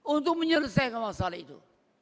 untuk menyelesaikan masalah itu